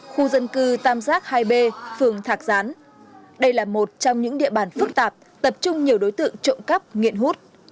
khu dân cư tam giác hai b phường thạc gián đây là một trong những địa bàn phức tạp tập trung nhiều đối tượng trộm cắp nghiện hút